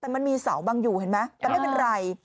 แต่มันมีเสาบังอยู่เห็นไหมแต่ไม่เป็นไร